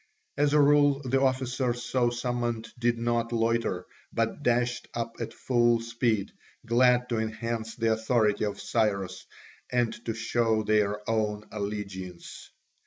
As a rule the officers so summoned did not loiter, but dashed up at full speed, glad to enhance the authority of Cyrus and to show their own allegiance.